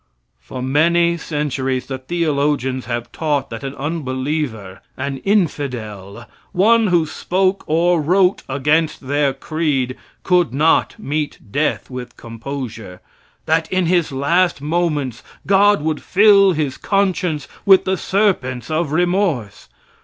For many centuries the theologians have taught that an unbeliever an infidel one who spoke or wrote against their creed, could not meet death with composure; that in his last moments God would fill his conscience with the serpents of remorse.